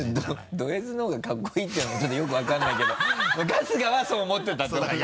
ドＳの方がかっこいいっていうのもちょっとよく分からないけど春日はそう思ってたってことね。